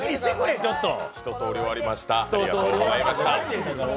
一とおり終わりました。